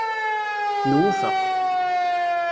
Nwufeq.